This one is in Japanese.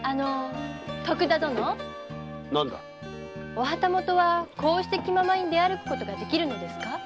お旗本はこうして気ままに出歩くことができるのですか？